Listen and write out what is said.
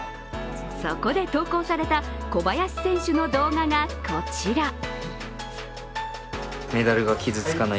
そこで投稿された小林選手の動画がこちら。